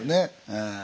ええ。